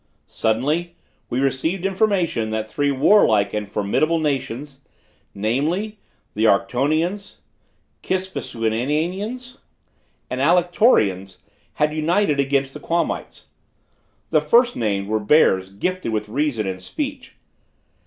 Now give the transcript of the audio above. Suddenly, we received information that three warlike and formidable nations, namely, the Arctonians, Kispusiananians and Alectorians, had united against the Quamites. The first named were bears gifted with reason and speech.